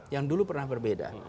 yang dulu pernah berbeda